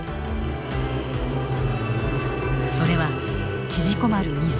それは縮こまる